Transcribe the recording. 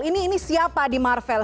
ini siapa di marvel